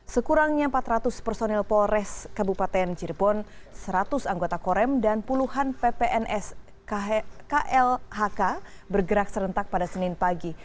sekurangnya empat ratus personil polres kabupaten cirebon seratus anggota korem dan puluhan ppns klhk bergerak serentak pada senin pagi